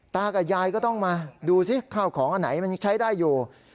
ตากับยายก็ต้องมาดูสิข้าวของอันไหนมันใช้ได้อยู่